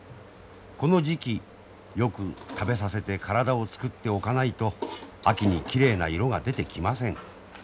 この時期よく食べさせて体を作っておかないと秋にきれいな色が出てきません。